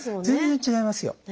全然違いますよ。